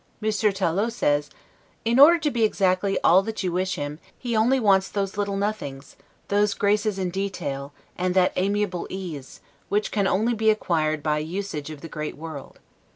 Monsieur Tollot says: "In order to be exactly all that you wish him, he only wants those little nothings, those graces in detail, and that amiable ease, which can only be acquired by usage of the great world.